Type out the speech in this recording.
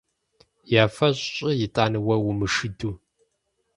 Я фӀэщ щӀы итӀанэ уэ умышыду…